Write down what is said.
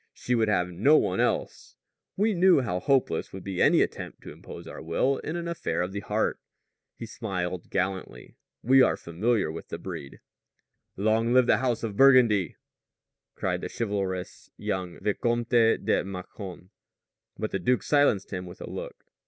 She would have no one else. We knew how hopeless would be any attempt to impose our will in an affair of the heart." He smiled gallantly. "We are familiar with the breed." "Long live the House of Burgundy," cried the chivalrous young Vicomte de Mâcon. But the duke silenced him with a look.